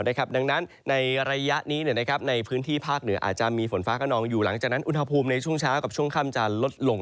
ดังนั้นในระยะนี้ในพื้นที่ภาคเหนืออาจจะมีฝนฟ้ากระนองอยู่หลังจากนั้นอุณหภูมิในช่วงเช้ากับช่วงค่ำจะลดลง